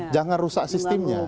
jangan rusak sistemnya